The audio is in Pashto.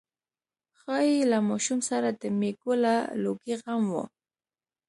ښايي له ماشوم سره د مېږو د لوږې غم و.